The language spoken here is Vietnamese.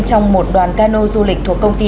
trong một đoàn cano du lịch thuộc công ty